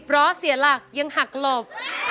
ล้อเสียหลักยังหักหลบ